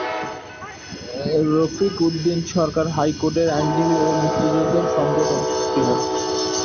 রফিক উদ্দিন সরকার হাইকোর্টের আইনজীবী ও মুক্তিযুদ্ধের সংগঠক ছিলেন।